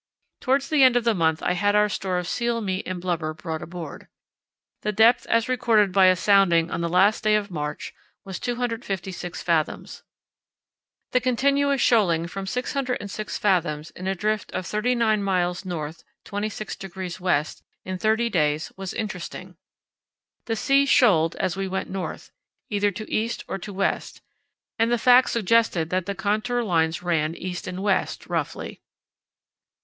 Towards the end of the month I had our store of seal meat and blubber brought aboard. The depth as recorded by a sounding on the last day of March was 256 fathoms. The continuous shoaling from 606 fathoms in a drift of 39 miles N. 26° W. in thirty days was interesting. The sea shoaled as we went north, either to east or to west, and the fact suggested that the contour lines ran east and west, roughly.